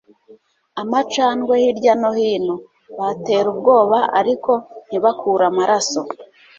amacandwe hirya no hino. batera ubwoba, ariko ntibakure amaraso